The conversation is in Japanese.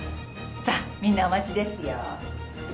さあみんなお待ちですよ。